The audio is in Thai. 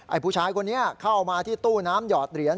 ผู้ชายคนนี้เข้ามาที่ตู้น้ำหยอดเหรียญ